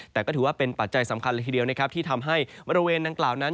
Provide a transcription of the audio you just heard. แต่ก็ถือว่าเป็นปัจจัยสำคัญเลยทีเดียวนะครับที่ทำให้บริเวณดังกล่าวนั้น